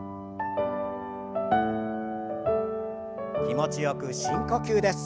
気持ちよく深呼吸です。